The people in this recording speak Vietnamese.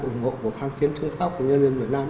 ủng hộ cuộc kháng chiến chống pháp của nhân dân việt nam